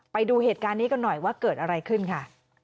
ไปดูเหตุการณ์นี้กันหน่อยว่าเกิดอะไรขึ้นค่ะ